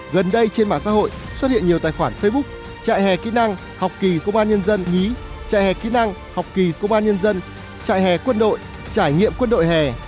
gần đây trên mạng xã hội xuất hiện nhiều tài khoản facebook trại hè kỹ năng học kỳ công an nhân dân nhí trại hè kỹ năng học kỳ công an nhân dân trại hè quân đội trải nghiệm quân đội hè